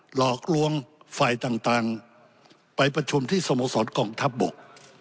หลอกลวงฝ่ายต่างไปประชุมที่สโมสรกองทัพบก